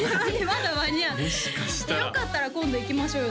まだ間に合うよかったら今度行きましょうよ